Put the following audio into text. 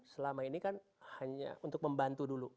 selama ini kan hanya untuk membantu dulu